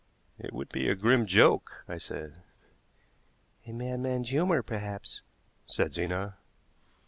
"It would be a grim joke," I said. "A madman's humor, perhaps," said Zena.